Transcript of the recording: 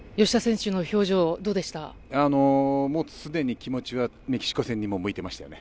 もうすでに気持ちはメキシコ戦に向けてましたよね。